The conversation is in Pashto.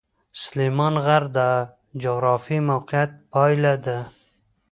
سلیمان غر د جغرافیایي موقیعت پایله ده.